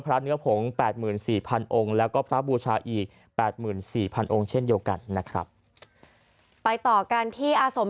เนื้อผง๘๔๐๐องค์แล้วก็พระบูชาอีก๘๔๐๐องค์เช่นเดียวกันนะครับไปต่อกันที่อาสม